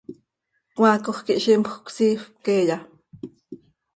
¿Cmaacoj quih zímjöc siifp queeya?